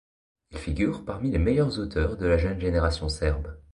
Il figure parmi les meilleurs auteurs de la jeune génération serbe.